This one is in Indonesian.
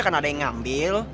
kan ada yang ngambil